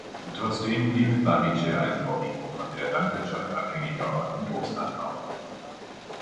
Trotzdem blieb Babice ein vorwiegend von der Landwirtschaft abhängiger Ort mit Obstanbau.